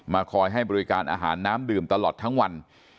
คอยให้บริการอาหารน้ำดื่มตลอดทั้งวัน